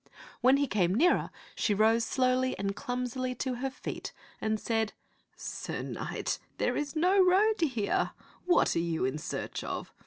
When he came nearer, she rose slowly and clumsily to her feet and said, " Sir knight, there is no road here. What are you in search of?